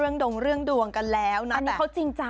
ที่ฉันนะครับรู้เรื่องดวงกันแล้วนะ